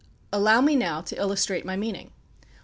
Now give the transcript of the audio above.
Allow me now to illustrate my meaning.